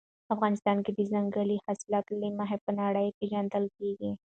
افغانستان د ځنګلي حاصلاتو له مخې په نړۍ کې پېژندل کېږي.